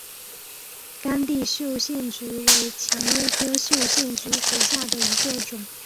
干地绣线菊为蔷薇科绣线菊属下的一个种。